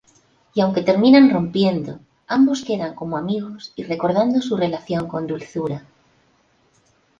Y aunque terminan rompiendo, ambos quedan como amigos y recordando su relación con dulzura.